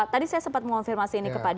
tadi saya sempat mengonfirmasi ini kepada